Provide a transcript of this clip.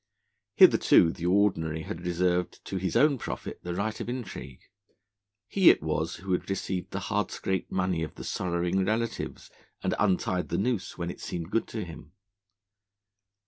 Hitherto the Ordinary had reserved to his own profit the right of intrigue; he it was who had received the hard scraped money of the sorrowing relatives, and untied the noose when it seemed good to him.